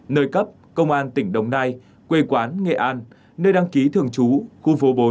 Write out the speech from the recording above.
nơi cấp công an tỉnh đồng nai quê quán nghệ an nơi đăng ký thường trú khu phố bốn